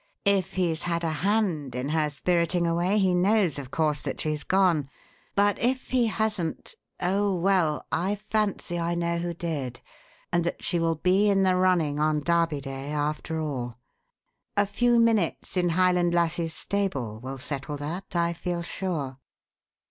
If he's had a hand in her spiriting away, he knows, of course, that she's gone; but if he hasn't oh, well, I fancy I know who did, and that she will be in the running on Derby Day after all. A few minutes in Highland Lassie's stable will settle that, I feel sure.